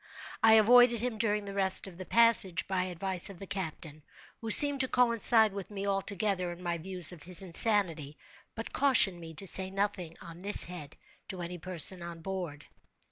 I avoided him during the rest of the passage, by advice of the captain, who seemed to coincide with me altogether in my views of his insanity, but cautioned me to say nothing on this head to any person on board.